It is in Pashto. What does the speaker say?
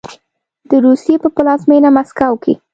د روسیې په پلازمینه مسکو کې